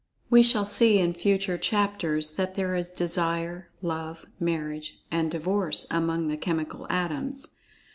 We shall see, in future chapters, that there is[Pg 57] "desire," "love," "marriage," and "divorce" among the chemical Atoms.